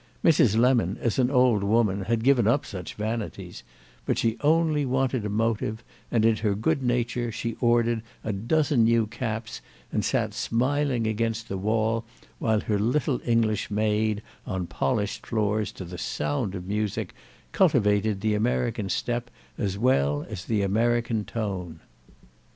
Mrs. Lemon, as an old woman, had given up such vanities; but she only wanted a motive, and in her good nature she ordered a dozen new caps and sat smiling against the wall while her little English maid, on polished floors, to the sound of music, cultivated the American step as well as the American tone.